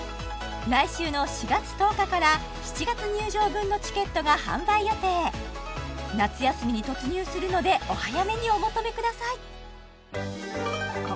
来週の４月１０日から７月入場分のチケットが販売予定夏休みに突入するのでお早めにお求めください